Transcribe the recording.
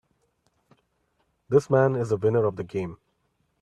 This man is the winner of the game.